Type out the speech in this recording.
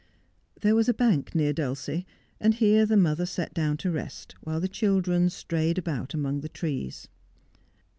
There was a bank near Dulcie, and here the mother sat down to rest, while the children strayed about among the trees.